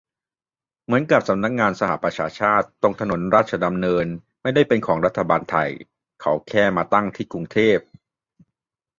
เหมือนกับสำนักงานสหประชาชาติ ตรงถนนราชดำเนิน ไม่ได้เป็นของรัฐบาลไทย เขาแค่มาตั้งที่กรุงเทพ